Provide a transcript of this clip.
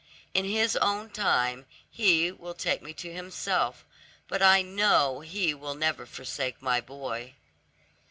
In His own time He will take me to Himself, but I know He will never forsake my boy."